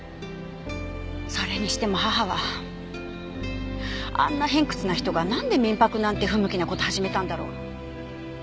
それにしても母はあんな偏屈な人がなんで民泊なんて不向きな事始めたんだろう？